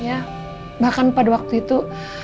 ya bahkan pada waktu itu